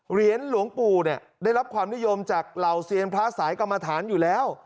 เหรียญหลวงปู่เนี่ยได้รับความนิยมจากเหล่าเซียนพระสายกรรมฐานอยู่แล้ว